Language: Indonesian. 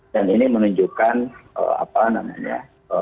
dan ini menunjukkan apa namanya